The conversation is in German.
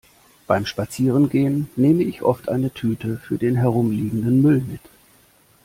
Beim Spazierengehen nehme ich oft eine Tüte für den herumliegenden Müll mit.